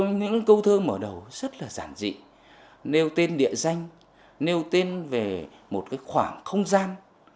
mấy cái câu thơ mở đầu rất là giản trị nêu tên địa danh nêu tên về một cái khoảng không gian